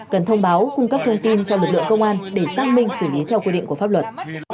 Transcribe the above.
cần thông báo cung cấp thông tin cho lực lượng công an để xác minh xử lý theo quy định của pháp luật